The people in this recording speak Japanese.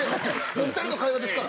お２人の会話ですから。